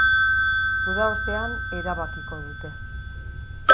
Uda ostean erabakiko dute.